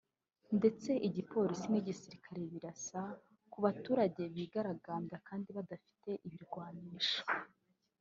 ndetse igipolisi n’igisirikare birasa ku baturage bigaragambya kandi badafite ibirwanisho